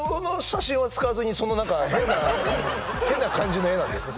何でその何か変な変な感じの絵なんですか？